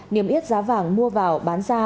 niêm yết giá vàng mua vào bán ra